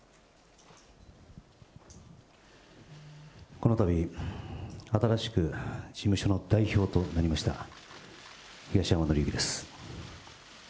このたび、新しく事務所の代表となりました、東山紀之です。